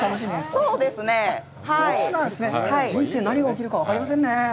人生何が起きるか分かりませんね。